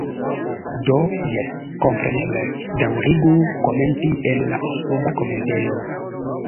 Do jes, kompreneble, daŭrigu komenti en la suba komentejo.